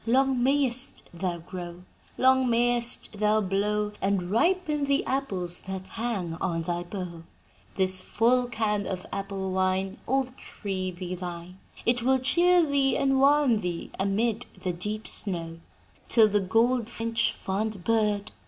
Long mayest thou grow. And long mayest thou blow, and ripen the apples that hang on thy bough! "'"This full can of apple wine, Old tree, be thine: It will cheer thee and warm thee amid the deep snow; "'"Till the goldfinch fond bird!